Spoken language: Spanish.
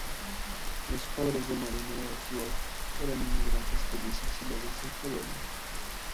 Los padres de Marianne Oswald eran inmigrantes judíos exiliados de Polonia.